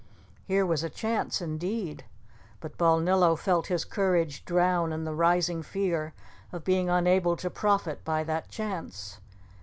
Here was a chance, indeed! But Balnillo felt his courage drown in the rising fear of being unable to profit by that chance.